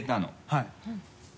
はい。